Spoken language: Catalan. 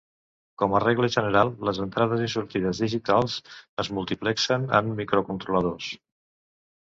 Com a regla general, les entrades i sortides digitals es multiplexen en microcontroladors.